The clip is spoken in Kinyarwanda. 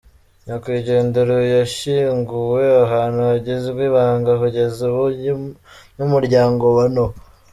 Nyakwigendera uyu yashyinguwe ahantu hagizwe ibanga kugeza ubu n’umuryango wa Noah.